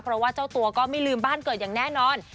เพราะว่าเจ้าตัวก็ไม่ลืมบ้านเกิดอย่างแน่นอน